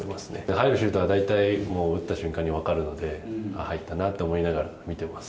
入るシュートは大体、もう打った瞬間に分かるので、入ったなと思いながら見てます。